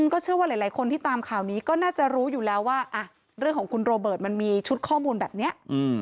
ก็เชื่อว่าหลายคนที่ตามข่าวนี้ก็น่าจะรู้อยู่แล้วว่าเรื่องของคุณโรเบิร์ตมันมีชุดข้อมูลแบบนี้